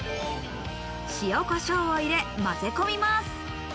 塩コショウを入れ、まぜ込みます。